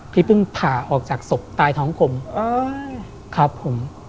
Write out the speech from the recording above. ที่เพิ่งผ่าออกจากศพตายท้องขม